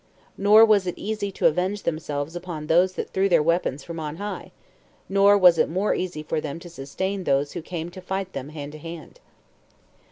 Nor was it easy to avenge themselves upon those that threw their weapons from on high, nor was it more easy for them to sustain those who came to fight them hand to hand.